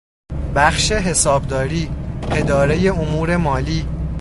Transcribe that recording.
بخش حسابداری، ادارهی امور مالی